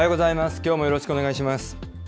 きょうもよろしくお願いします。